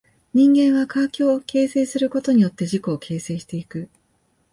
人間は環境を形成することによって自己を形成してゆく。